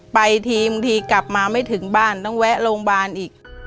ไปทีบางทีกลับมาไม่ถึงบ้านต้องแวะโรงพยาบาลอีก